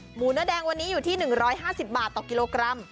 หมูเนื้อแดงวันนี้อยู่ที่๑๕๐บาทต่อกิโลกรัม